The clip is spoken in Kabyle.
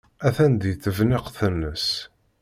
Atan deg tebniqt-nnes.